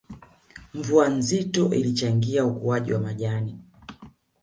Mvua nzito ilichangia ukuaji wa majani